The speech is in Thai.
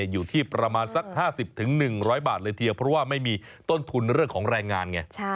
อยู่ที่ประมาณสัก๕๐๑๐๐บาทเลยทีเดียวเพราะว่าไม่มีต้นทุนเรื่องของแรงงานไง